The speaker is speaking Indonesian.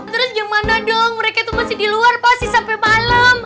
terus gimana dong mereka tuh pasti diluar pasti sampe malem